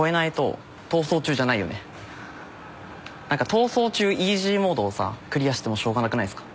『逃走中』イージーモードをさクリアしてもしょうがなくないっすか？